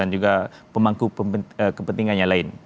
dan juga pemangku kepentingan yang lain